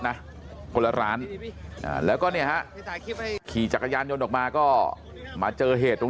นะคนละร้านแล้วก็เนี่ยฮะขี่จักรยานยนต์ออกมาก็มาเจอเหตุตรง